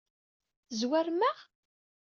Tezwarem-aɣ?